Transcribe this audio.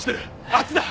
あっちだ！